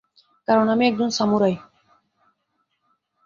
কারণ আমি একজন সামুরাই।